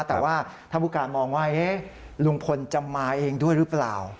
แต่ว่าท่านผู้การมองว่าลุงพลจะมาเองด้วยหรือเปล่า